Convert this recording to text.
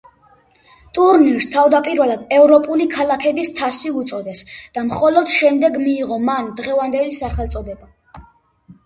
ტურნირს თავდაპირველად ევროპული ქალაქების თასი უწოდეს და მხოლოდ შემდეგ მიიღო მან დღევანდელი სახელწოდება.